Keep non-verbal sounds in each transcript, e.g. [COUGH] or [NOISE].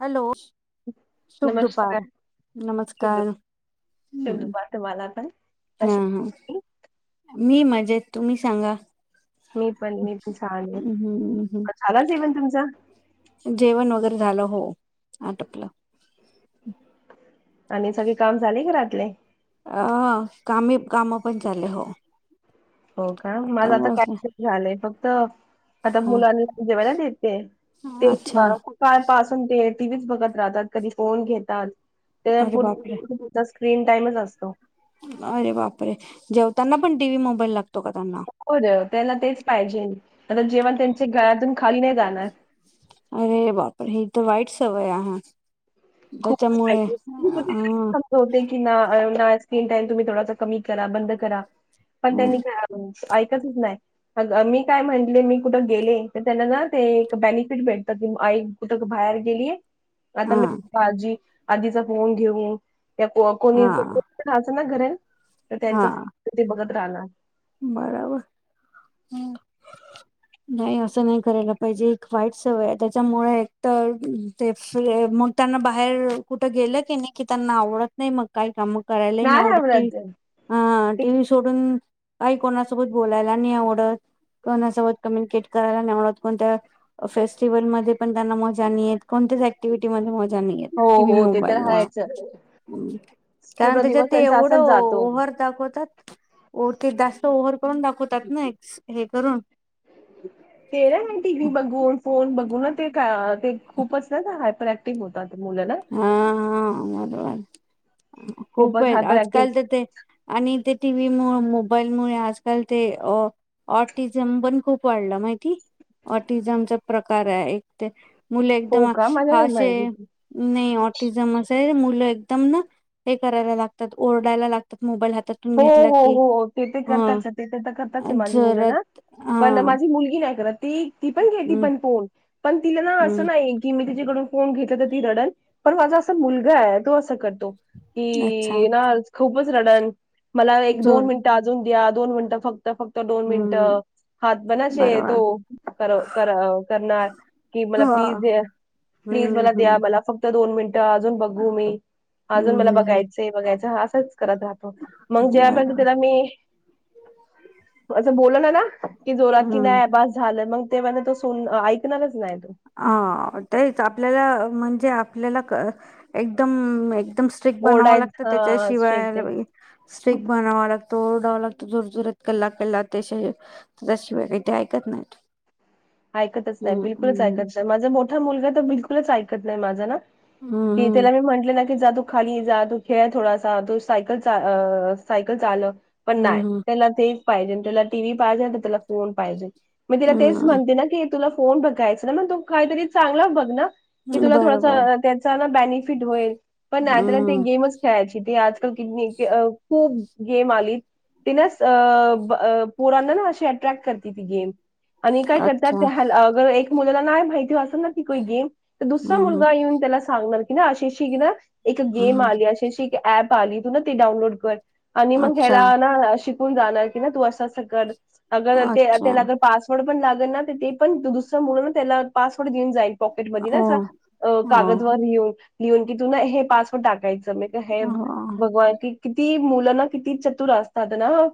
Hello शुभ नमस्कार. दुपार, शुभ दु नमस्कार शुभ हं दुपार तुम्हाला पण. हा कसे आहेत हा तुम्ही? मी मजेत, तुम्ही सांगा मी पण मी पण छान ये हम्म हम्म हा झाला जेवण तुमचा जेवण वगैरे झालं हो आटपलं. आणि सगळे काम झाले घरातले अ कामी काम पण झाले हो हो का माझं आता काहीच नाय झालंय फक्त आता हा मुलांना जेवायला देते ते अच्छा [UNINTELLIGIBLE] पाासून ते टी व्ही च बघत राहतात, कधी फोन घेतात अरे बापरे [UNINTELLIGIBLE] स्क्रीन टाईमच असतो. अरे बापरे! जेवताना पण टी व्ही, मोबाईल लाग हो द त्यांना तेच पाहिजे आता जेवणं त्यांच्या गळयातून खाली नाय जाणार. अरे बापरे! ही तर वाईट सवय हा हा [UNINTELLIGIBLE] [UNINTELLIGIBLE] होते की ना [UNINTELLIGIBLE] स्क्रीन टाईम तुम्ही थोडासा कमी करा बंद करा पण त्यांनी कराव ऐकतच नाय मी काय म्हटले मी कुठं गेले तर त्यांना ना ते एक बेनिफिट भेटतं. [UNINTELLIGIBLE] हूं आई कुठं क बाहेर गेली. हा आजी आजीचा फोन घेऊन त्या को हा कोणीच असण ना घरनं तर त्यांच हा ते बघत राहणार. बरोबर हं नाही असं नाही करायला पाहिजे, एक वाईट सवय हाय त्याच्यामुळे एक तर ते [UNINTELLIGIBLE] मग त्यांना बाहेर कुठं गेलं कनी की त्यांना आवडत नाय मग काय काम करायलाही नाय नाही आवडत टी व्ही ते हा ते टी व्ही सोडूनं काही कोणासोबत बोलायला नइ आवडत. कोणासोबत कम्युनिकेट करायला नाय आवडत, कोणत्या फेस्टिवल मध्ये पण त्यांना मजा नि येत. कोणत्याच ऍक्टिव्हटी मध्ये मजा नाही येत हो टी व्ही हो ते तर मोबाईल मुळ, हायच कारण पूर्ण त्याच्यात दिवस ते त्यांचा एवढं असाच जातो. ओहर दाखवतात ओ ते जास्त ओव्हर करून दाखवतात ना एक्स हे करून [UNINTELLIGIBLE] ते नय म टी वी बघून, फोन बघ उलट ते का ते खूपच नाय का हायपर ऍक्टिव्ह होतात. मुलं ना हा हा बरोबर. खूप खूपच आहेत. हायपर ऍक्टिव्ह आजकाल तर ते आणि ते टीव्ही मुळ, मोबाईल मुळे आजकाल ते ऑटिझम पण खूप वाढला माहितीय. ऑटिझमचा प्रकार हाय एक ते मुले हो एकदम का मला नाही हाशे माहिती. नाही ऑटिजमच हाय मुलं एकदम ना हे करायला लागतात ओरडायला लागतात मोबाईल हात हो हो हो ते ते करताच ते ते तर करताच माझी मुलं ना जोरात हा पण माझी मुलगी नाय करत. ती ती पण घेती हम्म पण फोन पण तिला ना असं हम्म नाही की मी ती कडून फोन घेतल तर ती रडल पण माझा आसा मुलगा आहे तो अस कर तो अच्छा की ना खूपच रडन मला एक, जोर दोन मिनटं अजून द्या. दोन मिनटं फक् क्त दोन हम्म मिनिटं हात पण असे तो बरोबर करव कर करणार. कि ह मला प्लीज द्या प्लीज हम्म मला द्या हम्म मला फक्त दोन मिन टं अजून बघू मी अजून हम्म मला हम्म बघायचं, बघायचं हा असंच करत राहतो. मग हम्म बरोबर जेव्हापर्यंत त्याला मी असं बोलल ना ना की जोरात की हम्म नाही बास झालं, मंग तेव्हा तो सुन ऐकणारच नाही. तो हा तेच आपल्याला म्हणजे आपल्याला एकदम एकदम स्ट्रिक बनाव ओरडाय लागतं हा स्ट्रिक्ट त्याच्याशिवाय आहे स्ट्रिक बनाव लागत तो ओरडावा लागतो जोर जोरत कल्ला कल्ला त्याश त्याशिवाय ते काही ऐकत नाहीत. ऐकतच नाही हम्म बिलकुलच ऐकत हम्म नाही माझा मोठा मुलगा तर बिलकुलच ऐकत नाही माझा ना कि हम्म त्याला मी म्हंटले ना जा तू खाली जा, तू खेळ, थोडासा तू सायकल सायकल चालव. पण नाही हम्म त्याला तेच पाहिजे त्याला टीव्ही पाहिजे, त्याला फोन पाहिजे, मग तिला तेच हम्म म्हणते नी तुला फोन बघायच मग तू काहीतरी चांगला बघ ना की हम्म तुला बरोबर थोडासा त्याचा ना बेनिफिट होईल पण त्या ते हम्म गेमच खेळायची ते आजकाल की [UNINTELLIGIBLE] [UNINTELLIGIBLE] खूब गेम आली ति ना अ पोरांना ना अशी अट्रॅक्ट करते ती गेम आणि काय अच्छा करतात ह्याला अगर एक मुलगा नाय भेटला असेल ना गेम तर दुसरा हम्म मुलगा येऊन त्याला सांगणार की ना अशीशी ना एक गेम हम्म आली, अशशी एक ऍप पाली तू ना ती डाऊनलोड कर आणि मग अच्छा ह्याला ना शिकून जाणार की ना तू असं असं कर अगर ते अच्छा त्यांना अ पासवर्ड पण लागल ना तर ते पण दुसरं मुला त्याना पासवर्ड देऊन जाईल. पॉकेट मधी नाइ ओ का अ हो कागदवर लिहून लिहून की तू ना हे पासवर्ड टाकायचं. [UNINTELLIGIBLE] हे हो भगवान की, किती मुलं ना किती चतुर असतात ना.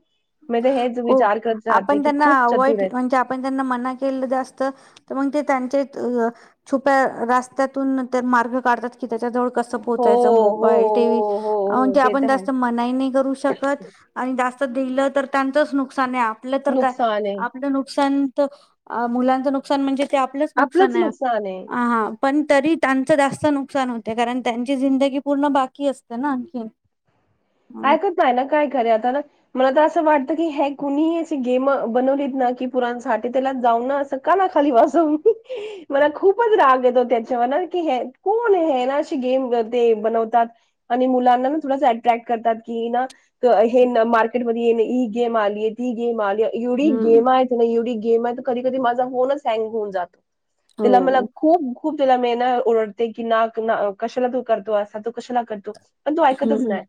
मी ते हेच खूप विचार करत राहते आपण की त्यांना खूप अवॉइड चतुर आहेत. म्हणजे आपण त्यांना मना केलं जास्त त मंग त्यांचे [UNINTELLIGIBLE] छुप्या रास्त्यातून ते मार्ग काढतात की त्याच्याजवळ कस कसं हो पोचायचं हो मोबाईल टीव्ही हो हो हो म्हणजे ते तर आपण आहे जास्त मनाई नाही करू शकत आणि जास त दिलं तर त्यांचच नुकसान ए आपलं तर काय नुकसान आहे आपलं नुकसान त अ मुलांचं नुकसान म्हणजे ते आपलंच नुकसान आहे हां पण तरी त्यांचं जास्त नुकसान होते कारण त्यांची जिंदगी पूर्ण बाकी असते ना आणखी हम्म ऐकत नाही ना, काय करे आता ना म त सं वाटत की, हे कुणीही असं गेम बनवलीत ना की पुरणसाठी त्याला जाऊ ना असं काना खाली वाजू. मला खूपच राग येतो त्याच्यावर ना की कोण हे ये ना अशी गेम करते. बनवतात आणि मुलांना ना थोडे असे अट्रॅक्ट करतात की ना हे न मार्केट मध्ये इ गेम आलीय ती गेम आलीय एवढी हम्म गेम आहेत, ना एवढी गेम आहे तर कधी कधी माझा फोनच हँग होऊन जातो. तिला मला हो खूप खूप [UNINTELLIGIBLE] मेल ना ओरडते की ना तू ना कशाला तू करतो? असं तो कशाला करतो? पण तो ऐकतच हम्म नाइ.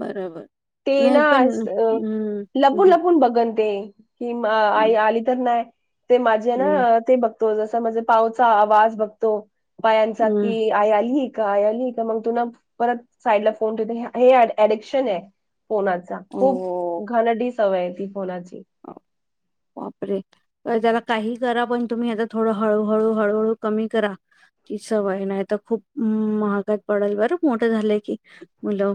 बरोबर ते नाही ना पण असं अ हम्म लपून हम्म लपून बघन ते ती आई आली तर नाही ती माझी हम्म ने ते तो जस म्हणजे पावचा आवाज बघतो पायांचा हम्म की आई आली का आई आली का मग तु ना परत साईड ला फोन ठेव हे एडिक्शन आहे. फोनाचा खूप हो घाणेरडि सवय आहे ती फोनाची बापरे! तर त्याला काही करा पण तुम्ही थोडं हळूहळू हळूहळू कमी करा ती सवय नाही त खूप महागात पडल बरं मोठं झालंय की मुलं.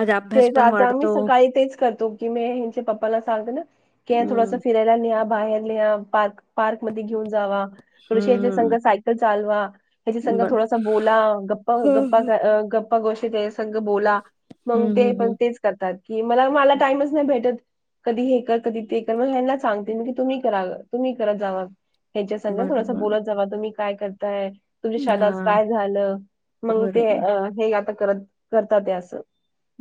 आज अभ्यास तेच पण आता आम्ही वाढतो सकाळी तेच करतो की मी हेच्या पप्पाला सांगत ना की थोडासा हम्म फिरायला न्या बाहेर न्या, पार्क पार्क मध्ये घेऊन जावा थोडसं ह्याच्यासंघ हम्म सायकल चालवा, ह्याच्या संघ बर थोडासा बोला गप्पा, गप्पा, हम्म गप्पा गोष्ट त्याच्यासंघ बोला. मंग ते हम्म पण हम्म तेच करतात की, मला मला टाईमच नाही भेटत. कधी हे कर, कधी ते कर. मग ह्यांना सांगते मी की तुम्ही करा, तुम्ही करत जावा. ह्याच्या संग थोडसं बरोबर बोलत जावा, तुम्ही काय करताय? तुमच्या शादेत हा आज काय झालं, मंग ते बरोबर हे आता करत करतात ते आसं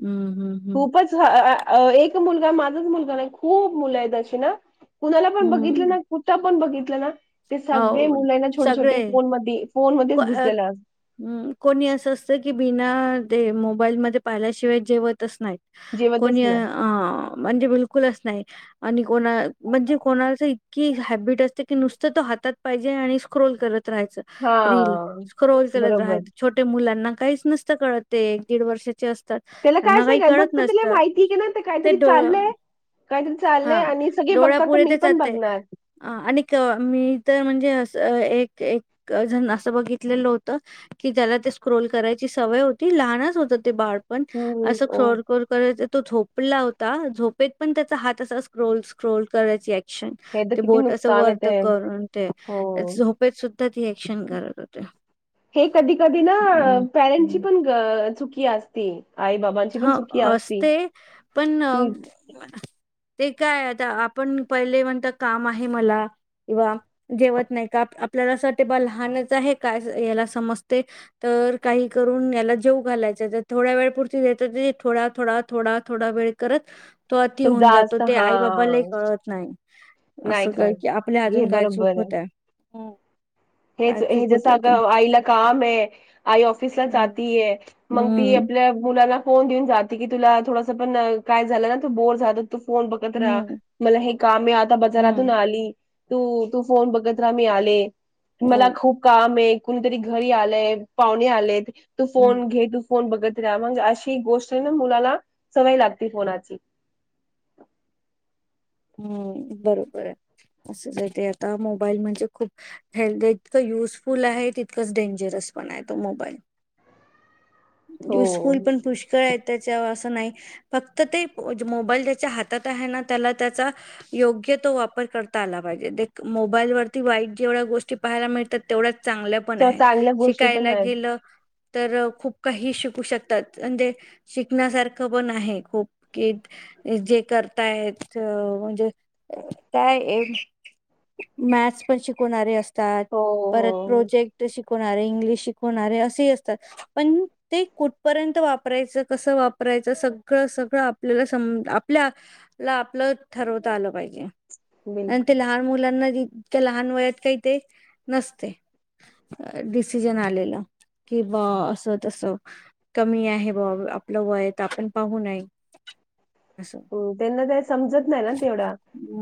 हम्म हम्म खूपच [UNINTELLIGIBLE] एक तो मुलगा माझच मुलगा नाही, खूप मुलं हेत तशी ना. कुणाला हम्म पण बघितलं ना हम्म कुटं पण बघितलं असतात ना ते सगळे हो मुल यना छोटे सगळे छोटे फोन मदी फोन मध्येच घुसलेला अस हम्म कोणी असं असतं की बिना ते मोबाईलमध्ये पाहिल्याशिवाय जेवतच नाहीत. जेव्हा कोणी अ आ म्हणजे बिलकुलच नाही आणि कोणा म्हणजे कोणाच की हॅबिट असते की नुसतं तो हातात पाहिजे आणि स्क्रोल करत. त- राहायचं रील हां स्क्रोल करत बरोबर. राहायचं छोटे मुलांना काहीच नसतं कळतं ते एक दीड वर्षात [UNINTELLIGIBLE] असतात त्याला त्यांना कायच नाही काही कळत फक्त त्याला नसत माहिती आहे की ना ते काहीतरी चाललंय काहीतरी चाललंय हा आणि सगळे डोळ्या बघतात तर पुुरे- ते मी पण -जाते बघणार. -आणि मी तर -म्हणजे- तर एक एक अ- जन असं बघितलेलं होत की ज्याला ते स्क्रोल करायची सवय होती लहानच होतं ते बाळ पण हं, हं. असं [UNINTELLIGIBLE] ओ रोरत तो झोपला होता झोप पण तेचा हात तसा स्क्रोल- स्क्रोल करायची [UNINTELLIGIBLE] श हे तर ते किती बोट असं नुकसान आहे वर्त ते. करून ते हो. झोपेत सुद्धा ती ॲक्शन करत होते हे कधी -कधी हं, ना- हं. पॅरेंटची पण ग-चुकी असती आई बाबांची पण हा चुकी असती. असते पण की ते काय आता आपण पहिले म्हणतं काम आहे मला किंवा जेवत नाही का आप-आपल्याला असं वाटतंय बा लहानच आहे काय हेला समजतंय तर तर काही करुन ह्याला जेवू घालायचं तर थोड्या वेळा पुर [UNINTELLIGIBLE] थोडा- थोडा -थोडा- थोडा वेळ करत तो अति तुझा होऊन जातो असं ते हा आई बाबालाही कळत नाही नाही असं काय कळत. की आपल्या हे अजून काय बरोबर चुक आहे. [UNINTELLIGIBLE] हो हेच हे जसं अ- आईला काम आहे आई ऑफिसला हम्म जातीय मग ती हम्म [UNINTELLIGIBLE] तु मुलांना फोन देऊन जाते की तुला थोडसं पण काय झालं ना तू बोर झालं तू फोन बघत राहा हम्म मला हे कामे आता हम्म बजारातून आली तू- तू फोन बघत राहा मी आले मला हम्म खूप काम आहे कुणीतरी घरी आलंय पाहुणे आलेत तू हम्म फोन घे तू फोन बघ [UNINTELLIGIBLE] म्ह मग अशी गोष्ट आहे ना मुलाला सवय लागते फोनाची [INAUDIBLE] हम्म.. बरोबर आहे असंच आहे ते आता मोबाईल म्हणजे खूप हेल्थला इतकं युजफुल आहे तितकंच डेंजरस [UNINTELLIGIBLE] बनाय तो मोबाईल हो युसफुल पण पुष्कळ आहेत त्याच्या [UNINTELLIGIBLE] नाही फक्त ते -मोबाईल जेच्या हातात आहे ना त्याला त्याचा योग्य तो वापर [UNINTELLIGIBLE] करता आला पाहिजे- मोबाईल वरती वाईट जेवढ्या गोष्टी पाहायला मिळतात तेवढ्या चांगल्या पण च- आहेत चांगल्या गोष्टी पण शिकायला आहेत. गेलं तर खूप काही शिकु शकतात म्हणजे शिकण्यासारखं पण आहे खूप की जे करतायत अ-म्हणजे काय मॅथ्स पण शिकवणारे अस हो हो [UNINTELLIGIBLE] परत हो. प्रोजेक्ट शिकवणारे, इंग्लिश शिकवणारे असेही असतात पण ते कुठपर्यंत वापरायचं कसं वापरायचं सगळं- सगळं आपल्याला स -आपल्या ला आपलं ठरवता आलं पाहिजे आणि बिलकुल ते लहान मुलांना त्या लहान वयात काही ते नसते डिसिजन आलेलं की ब -असं तस कमी आहे बा आपलं वय तर आपण पाहू नये असं हो त्यांना ते समजत नाही ना तेवढा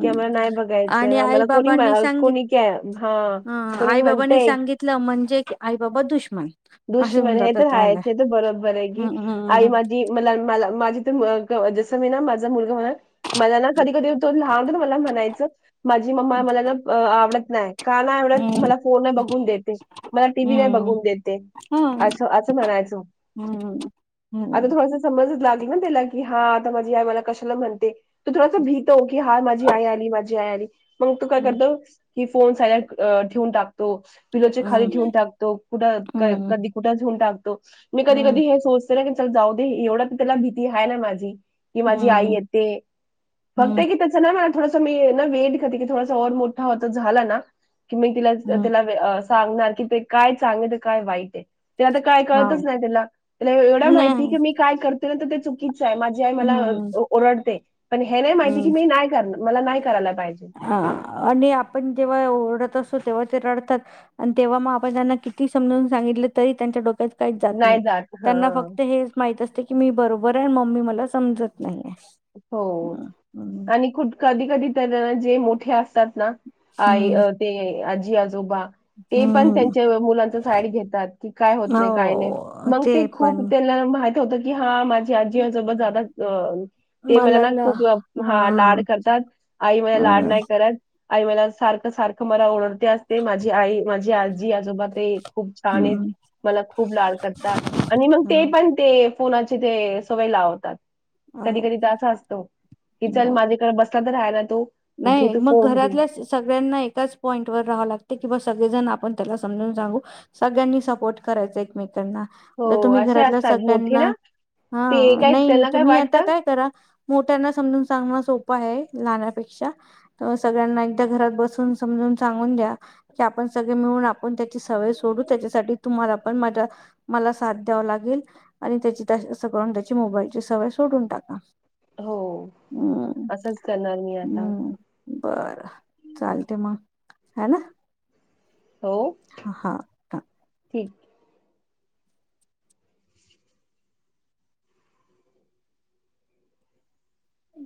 कि आम्हाला नाही बघायचं आणि आई आम्हाला कोणी- बाबांनी सांगित कोणी -हा कोणी म्हणतय तिथलं म्हणजे की आई बाबा दुश्मन असे दुश्मन होऊन हे तर जातात हम्म राहायच तर बरोबर आहे की आई हम्म माझी मला- मला माझी त हो जसं मी ना माझा मुलगा म्हण मला ना कधी कधी तो लहान मला म्हणायचं माझी मम्मा मला ना आवडत नाही का नाही आवड तर हम्म मला फोन नाही बघून देते, मला टीव्ही नाही हम्म हम्म बघून देते. हा असं असं म्हणायचं नाही. आता हम्म, थोडास समज [UNINTELLIGIBLE] लागली ना त्याला की हा आता माझी आई मला कशाला म्हणते तो थोडासा भी तो की हा माझी आई आली माझी आई आली मग तो काय करतो की फोन साईडला ठेवून टाक तो पिलोच्या खाली ठेऊन टाकतो. कुठ कधी कुठं [UNINTELLIGIBLE] टाक तो मी कधी कधी हे सोचते ना की चल जाऊ दे एवढं त्याला भीती आहे ना माझी कि माझी आई येते फक्त आहे की त्याच ना थोडासा मी ना वेट करते की थोडासा ओर मोठा हो झाला ना की मग तीला तिला अ सांगणार की ते काय चांगलं तर काय वाईट आहे. ते आता काय कळतच नाही त्याला त्याला एवढ्या माहितीय की मी काय करते ना तर ते चुकी च आहे माझी आई मला हम्म. ओरडते, पण हे नाही माहिती की मी नाही कर मला नाही करायला लाग हा आणि आपण जेव्हा ओरडत अस तो तेव्हा ते रडतात आणि तेव्हा मग आपण त्यांना किती समजून सांगितलं तरी त्यांच्या डोक्यात काहीच जात नाही. त्यांना फक्त हे माहित असते की मी बरोबर आहे मम्मी मला समजत नाही आहे. हो आणि खुठ कधी कधी तर जे मोठे असतात. ना आय हम्म, ते आजी आजोबा ते पण हम्म. त्यांच्या मुलांचच साइड घेतात, की काय होत नाही काय नाही. हो मग ते खूप पण त्यांना मा हित होत की हा माझी आजी आजोबा ज्यादा ते मला ना ल हा खूप हा लाड करतात, आई मला हा लाड नाही करत. आई मला सारखं सारखं मला ओरडते असते माझी आई, माझी आजी, आजोबा ते खूप ह छान आहेत मला खूप लाड करतात आणि मग ह ते पण ते फोनाची ते सवय लावतात. हा. अस असतो, की चल माझेकडे बसला तर रहाय नाही मग घरातल्या सगळ्यांना एकाच पॉईंटवर राहावं लागत कि बा सगळेजण आप पण त्याला समजून सांगू सगळ्यांनी सपोर्ट करायच एकमेक ना हो तुम्ही असे घरातल्या असतात मोठे सगळ्यांना ना हा ते काय नाही त्यांना काय तुम्ही आता वाटतं काय करा मोठ्यांना समजून सांगण सो प आहे लहानापेक्षा सगळ्यांना एक तर घरात बसवून समजून सांगून द्या, की आपण सगळे मिळून आपण ते सवय सोडू त्याच्यासाठी तुम्हाला पण माझ्या मला साथ द्याव लागेल आणि त्याची त करून त्याची मोबाईलची सवय सोडून टाका. हो हम्म असंच करणार मी आता हम्म बरं चालतय मग हाय ना हो हा, हा. ठीक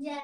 ज्या